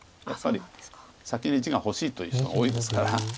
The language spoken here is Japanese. やっぱり先に地が欲しいという人が多いですから。